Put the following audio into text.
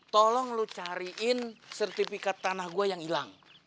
tolong lu cariin sertifikat tanah gue yang hilang